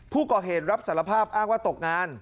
ผู้ก่อเหตุรับสารภาพอ้างว่าตกงาน